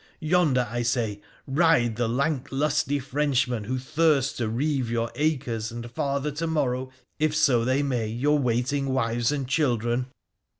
Yonder, I say, ride the lank lusty Frenchmen who thirst to reeve your acres and father to morrow, if so they may, your waiting wives and children.